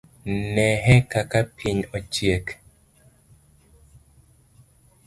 Nehe kaka piny ochiek.